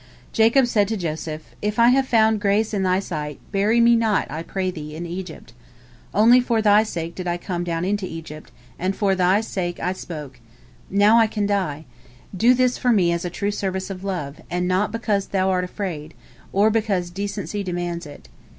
Jacob said to Joseph: "If I have found grace in thy sight, bury me not, I pray thee, in Egypt. Only for thy sake did I come down into Egypt, and for thy sake I spoke, Now I can die. Do this for me as a true service of love, and not because thou art afraid, or because decency demands it.